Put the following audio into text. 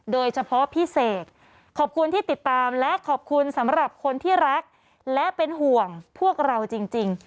โดยเฉพาะพี่เสกขอบคุณที่ติดตามและขอบคุณสำหรับคนที่รักและเป็นห่วงพวกเราจริง